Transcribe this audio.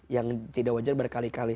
yang tidak wajar berkali kali